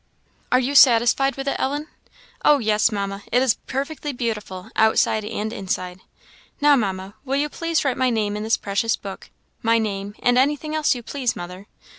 "Are you satisfied with it, Ellen?" "Oh, yes, Mamma; it is perfectly beautiful, outside and inside. Now, Mamma, will you please write my name in this precious book my name, and anything else you please, mother?